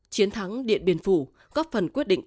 chiến thắng điện biên phủ góp phần quyết định